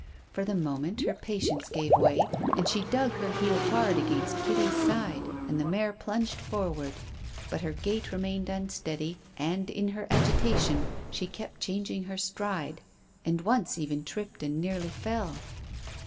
For the moment her patience gave way, and she dug her heel hard against Kitty's side and the mare plunged forward. But her gait remained unsteady, and in her agitation she kept changing her stride, and once even tripped and nearly fell.